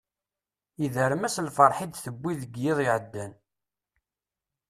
Yedrem-as lferḥ i d-tewwi deg yiḍ iɛeddan.